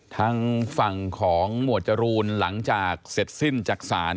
ทางฝั่งของหมวดจรูนหลังจากเสร็จสิ้นจากศาล